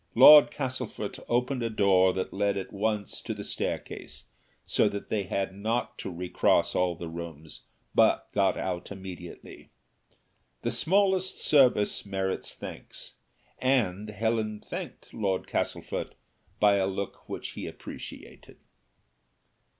Lord Castlefort opened a door that led at once to the staircase, so that they had not to recross all the rooms, but got out immediately. The smallest service merits thanks, and Helen thanked Lord Castlefort by a look which he appreciated.